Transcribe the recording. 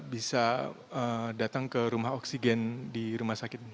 bisa datang ke rumah oksigen di rumah sakit